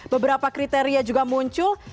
beberapa kriteria juga muncul